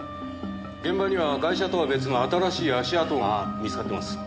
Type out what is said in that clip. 現場にはガイシャとは別の新しい足跡が見つかってます。